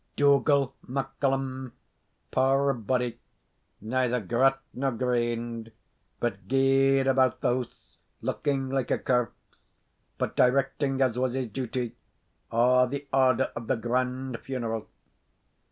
Dougal MacCallum, poor body, neither grat nor graned, but gaed about the house looking like a corpse, but directing, as was his duty, a' the order of the grand funeral.